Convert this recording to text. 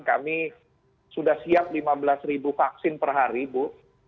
kami sudah siap lima belas ribu vaksin per hari bu